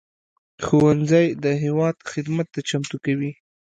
ښوونځی د هېواد خدمت ته چمتو کوي